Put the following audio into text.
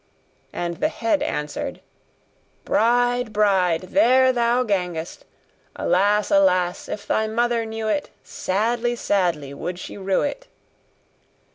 and the head answered: 'Bride, bride, there thou gangest! Alas! alas! if thy mother knew it, Sadly, sadly, would she rue it.